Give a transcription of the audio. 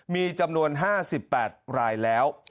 มีจำนวน๕๘รายแล้ว